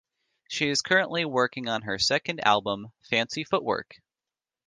She is currently working on her second album, "Fancy Footwork".